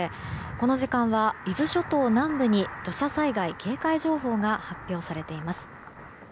この時間は伊豆諸島南部に土砂災害警戒情報が発表されています。